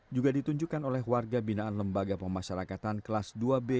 juga ditunjukkan oleh warga binaan lembaga pemasyarakatan kelas dua b